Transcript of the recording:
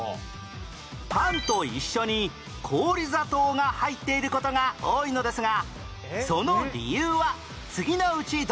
パンと一緒に氷砂糖が入っている事が多いのですがその理由は次のうちどれ？